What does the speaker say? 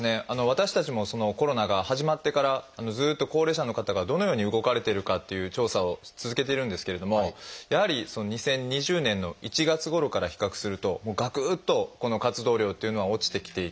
私たちもコロナが始まってからずっと高齢者の方がどのように動かれてるかっていう調査を続けてるんですけれどもやはり２０２０年の１月ごろから比較するともうがくっとこの活動量っていうのは落ちてきていて。